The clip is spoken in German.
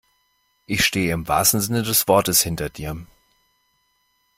Ich stehe im wahrsten Sinne des Wortes hinter dir.